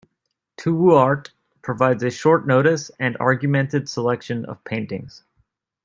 Towooart provides a short notice and an argumented selection of paintings.